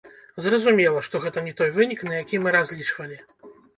Зразумела, што гэта не той вынік, на які мы разлічвалі.